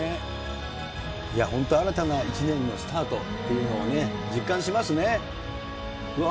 いや、本当、新たな一年のスタートというのを実感しますね。